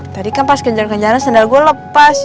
tadi kan pas kenceng kencengnya sendal gue lepas